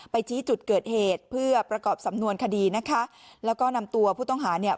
ชี้จุดเกิดเหตุเพื่อประกอบสำนวนคดีนะคะแล้วก็นำตัวผู้ต้องหาเนี่ย